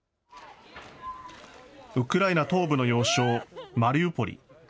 ウクライナ東部の要衝、マリウポリ。